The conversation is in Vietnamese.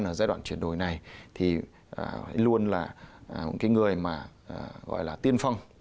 ở giai đoạn chuyển đổi này thì luôn là một cái người mà gọi là tiên phong